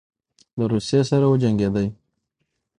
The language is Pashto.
له روسیې سره وجنګېدی.